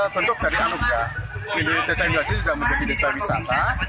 bentuk dari anugrah di desa windu aji juga menjadi desa wisata